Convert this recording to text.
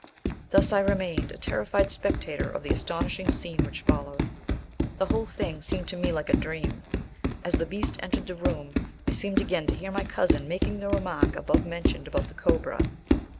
Thus I remained a terrified spectator of the astonishing scene which followed. The whole thing seemed to me like a dream. As the beast entered the room, I seemed again to hear my cousin making the remark above mentioned about the cobra.